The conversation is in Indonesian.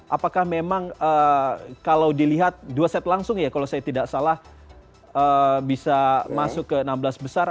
apakah memang kalau dilihat dua set langsung ya kalau saya tidak salah bisa masuk ke enam belas besar